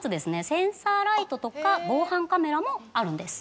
センサーライトとか防犯カメラもあるんです。